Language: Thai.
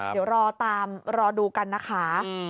เดี๋ยวรอดูกันนะคะ